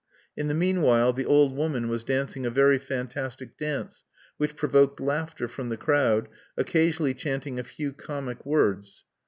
In the meanwhile the old woman was dancing a very fantastic dance which provoked laughter from the crowd, occasionally chanting a few comic words.